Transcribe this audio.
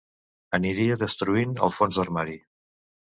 Aniria destruint el fons d'armari.